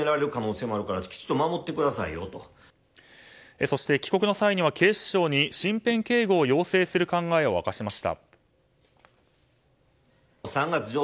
そして帰国の際には警視庁に身辺警護を要請する考えを明かしました。